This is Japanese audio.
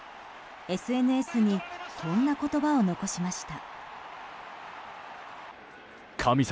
ＳＮＳにこんな言葉を残しました。